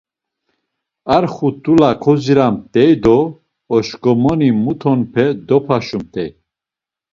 Ar xut̆ula koziramt̆ey do oşǩomoni mutonpe dopaşumt̆ey.